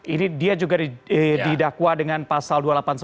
ini dia juga didakwa dengan pasal dua ratus delapan puluh sembilan